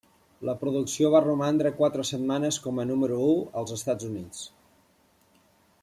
La producció va romandre quatre setmanes com a número u als Estats Units.